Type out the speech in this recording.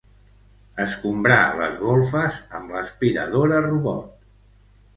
Escombrar les golfes amb l'aspiradora robot.